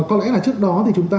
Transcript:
có lẽ là trước đó thì chúng ta